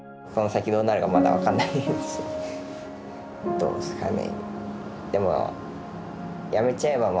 どうですかね。